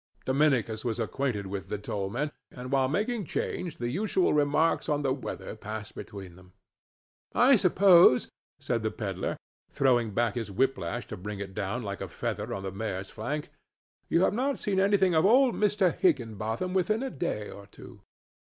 Dominicus was acquainted with the toll man, and while making change the usual remarks on the weather passed between them. "I suppose," said the pedler, throwing back his whiplash to bring it down like a feather on the mare's flank, "you have not seen anything of old Mr. Higginbotham within a day or two?"